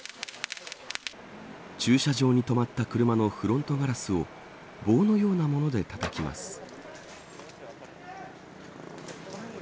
駐車場に止まった車のフロントガラスを棒のようなものでたたきます。